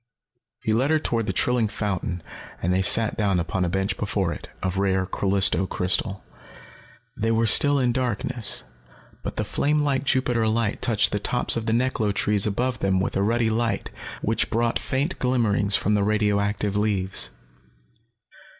He led her toward the trilling fountain and they sat down upon a bench before it, of rare Callisto crystal. They still were in darkness, but the flame like Jupiter light touched the tops of the neklo trees above them with a ruddy light which brought faint glimmerings from the radioactive leaves.